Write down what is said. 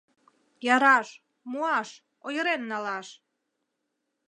Яраш — муаш, ойырен налаш.